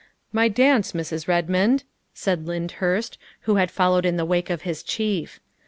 " My dance, Mrs. Redmond," said Lyndhurst, who had followed in the wake of his chief.